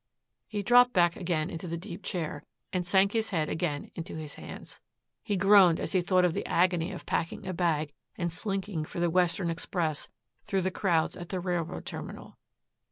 He dropped back again into the deep chair and sank his head again on his hands. He groaned as he thought of the agony of packing a bag and slinking for the Western express through the crowds at the railroad terminal.